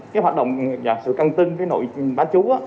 cái hoạt động và sự căng tin với nội bán chú